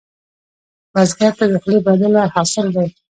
بزګر ته د خولې بدله حاصل دی